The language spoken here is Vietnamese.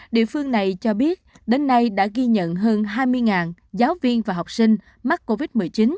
địa phương này cho biết đến nay đã ghi nhận hơn hai mươi giáo viên và học sinh mắc covid một mươi chín